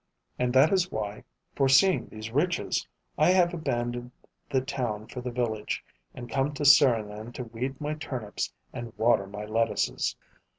And that is why, foreseeing these riches, I have abandoned the town for the village and come to Serignan to weed my turnips and water my lettuces.